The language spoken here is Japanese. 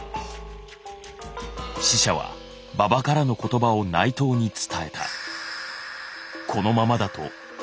使者は馬場からの言葉を内藤に伝えた。